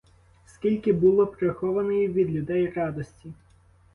Скільки було прихованої від людей радості!